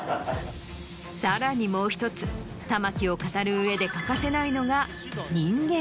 さらにもう１つ玉木を語る上で欠かせないのが。